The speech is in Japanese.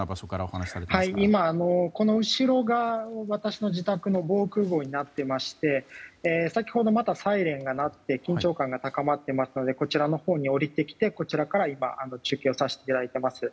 今、この後ろが私の自宅の防空壕になっていまして先ほど、またサイレンが鳴って緊張感が高まっていますのでこちらのほうに下りてこちらから中継をさせていただいています。